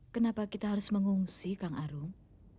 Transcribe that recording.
kenapa kita harus mengungsi kang arung